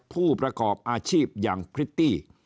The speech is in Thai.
ผู้ประกอบอาชีพอย่างพริตตี้